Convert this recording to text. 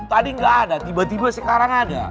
tadi nggak ada tiba tiba sekarang ada